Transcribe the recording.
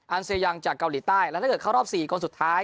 เซยังจากเกาหลีใต้แล้วถ้าเกิดเข้ารอบ๔คนสุดท้าย